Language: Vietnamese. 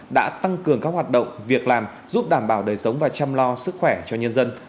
đã tăng cường các hoạt động việc làm giúp đảm bảo đời sống và chăm lo sức khỏe cho nhân dân